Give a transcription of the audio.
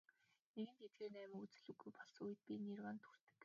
Нэгэнт эдгээр найман үзэл үгүй болсон үед бид нирваанд хүрдэг.